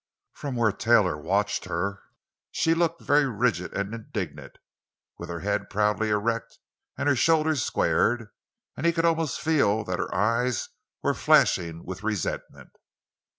From where Taylor watched her she looked very rigid and indignant—with her head proudly erect and her shoulders squared; and he could almost feel that her eyes were flashing with resentment.